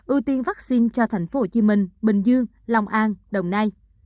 ưu tiên vaccine cho thành phố hồ chí minh bình dương lòng an đồng nai